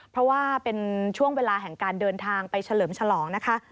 เพราะว่าเป็นช่วงเวลาแห่งการเดินทางไปเฉลิมฉลองนะคะ